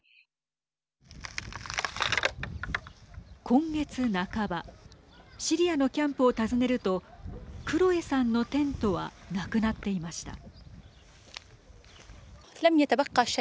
今月半ばシリアのキャンプを訪ねるとクロエさんのテントは無くなっていました。